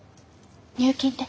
入金って？